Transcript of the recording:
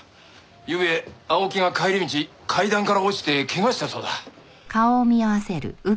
ゆうべ青木が帰り道階段から落ちて怪我したそうだ。